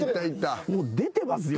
もう出てますよ。